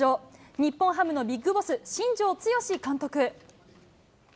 日本ハムのビッグボス新庄剛志監督。